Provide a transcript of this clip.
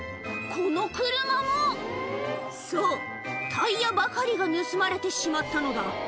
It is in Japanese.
この車もそうタイヤばかりが盗まれてしまったのだ